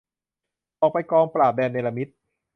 ออกไปกองปราบ แดนเนรมิต